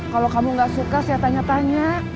kalau kamu gak suka saya tanya tanya